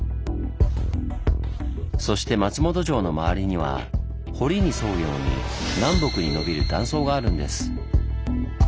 そして松本城の周りには堀に沿うように南北にのびる断層があるんです。